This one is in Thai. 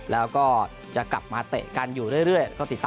แล้วก็จะกลับมาเตะกันอยู่เรื่อย